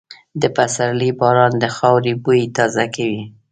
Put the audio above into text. د پسرلي باران د خاورې بوی تازه کوي.